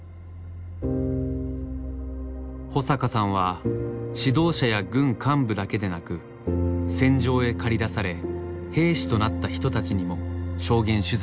保阪さんは指導者や軍幹部だけでなく戦場へ駆り出され兵士となった人たちにも証言取材を続けます。